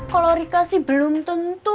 kalau rika sih belum tentu